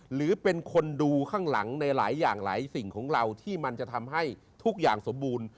หรือเป็นคนดูข้างหลังในหลายอย่างหลายสิ่งของเราที่มันจะทำให้ทุกอย่างสมบูรณ์